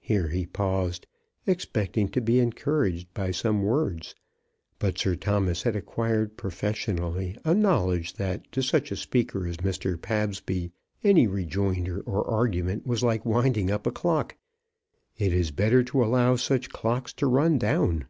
Here he paused, expecting to be encouraged by some words. But Sir Thomas had acquired professionally a knowledge that to such a speaker as Mr. Pabsby any rejoinder or argument was like winding up a clock. It is better to allow such clocks to run down.